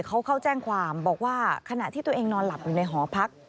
เขาเข้าแจ้งความบอกว่าขณะที่ตัวเองนอนหลับอยู่ในหอพัก